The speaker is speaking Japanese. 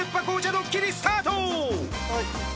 ドッキリスタート！